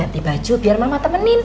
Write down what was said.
ganti baju biar mama temenin